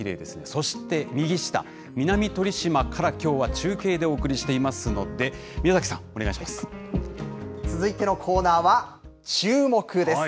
そして、右下、南鳥島からきょうは中継でお送りしていますので、宮崎さん、お願続いてのコーナーはチューモク！です。